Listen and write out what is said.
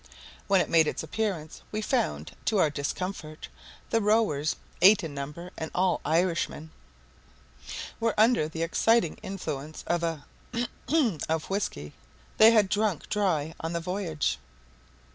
When it made its appearance, we found, to our discomfort, the rowers (eight in number, and all Irishmen) were under the exciting influence of a cag of whiskey, which they had drunk dry on the voyage.